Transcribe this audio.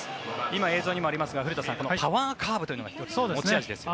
今、映像にもありますがパワーカーブというのが１つ持ち味ですね。